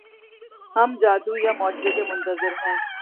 ہم جادو یا معجزے کے منتظر ہیں۔